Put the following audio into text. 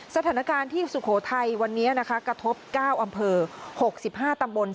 สถานการณ์ที่สุโขทัยวันนี้นะคะกระทบเก้าอำเภอหกสิบห้าตำบล